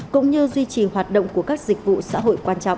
cũng như duy trì hoạt động của các dịch vụ xã hội quan trọng